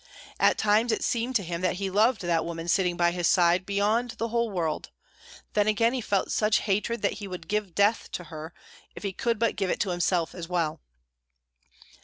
At times it seemed to him that he loved that woman sitting at his side beyond the whole world; then again he felt such hatred that he would give death to her if he could but give it to himself as well.